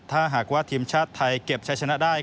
ถ้าหากว่าทีมชาติไทยเก็บใช้ชนะได้